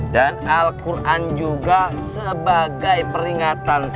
dan al quran juga sebagai peringatan